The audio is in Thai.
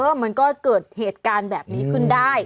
มันก็เกิดเหตุการณ์แบบนี้ขึ้นได้